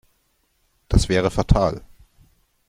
Das wäre fatal.